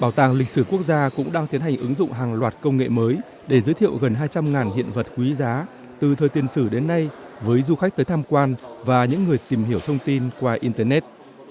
bảo tàng lịch sử quốc gia cũng đang tiến hành ứng dụng hàng loạt công nghệ mới để giới thiệu gần hai trăm linh hiện vật quý giá từ thời tiên sử đến nay với du khách tới tham quan và những người tìm hiểu thông tin qua internet